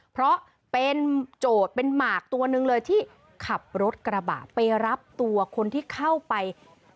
เพราะเป็นโจทย์เป็นหมากตัวนึงเลยที่ขับรถกระบะไปรับตัวคนที่เข้าไป